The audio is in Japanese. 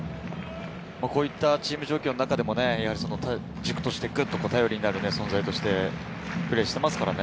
こういうチーム状況の中でも、軸として頼りになる存在としてプレーしていますからね。